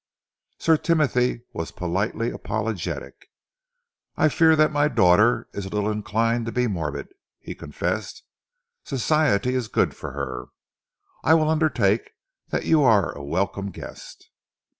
Sir Timothy was politely apologetic. "I fear that my daughter is a little inclined to be morbid," he confessed. "Society is good for her. I will undertake that you are a welcome guest."